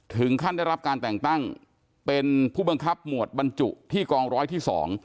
ถึงขั้นได้รับการแต่งตั้งเป็นผู้บังคับหมวดบรรจุที่กองร้อยที่สอง